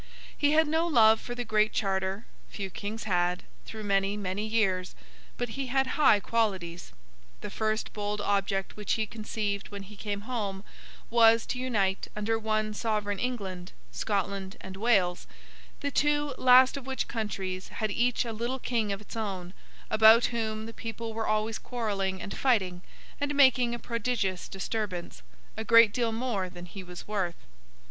He had no love for the Great Charter—few Kings had, through many, many years—but he had high qualities. The first bold object which he conceived when he came home, was, to unite under one Sovereign England, Scotland, and Wales; the two last of which countries had each a little king of its own, about whom the people were always quarrelling and fighting, and making a prodigious disturbance—a great deal more than he was worth.